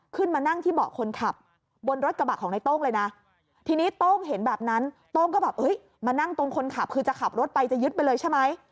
ขึ้นมานั่งที่เบาะคนขับบนรถกระบะของในโต้งเลยนะทีนี้โต้งเห็นแบบนั้นโต้งก็แบบมานั่งตรงคนขับคือจะขับรถไปจะยึดไปเลยใช่ไหม